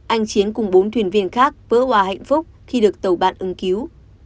anh chiến cùng bốn thuyền viên khác vỡ hoa hạnh phúc khi được tàu bạn ứng cứu